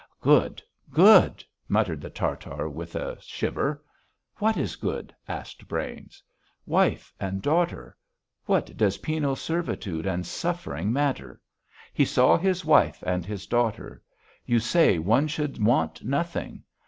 "Good! Good!" muttered the Tartar with a shiver. "What is good?" asked Brains. "Wife and daughter. What does penal servitude and suffering matter? He saw his wife and his daughter. You say one should want nothing.